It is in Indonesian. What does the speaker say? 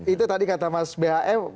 itu tadi kata mas bhm